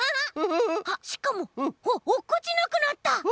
しかもおっこちなくなった！